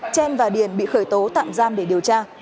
chen và điền bị khởi tố tạm giam để điều tra